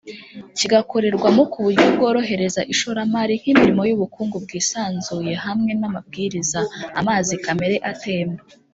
kigakorerwamo ku buryo bworohereza ishoramari nk’imirimo y’ubukungu bwisanzuye hamwe n’amabwirizaamazi kamere atemba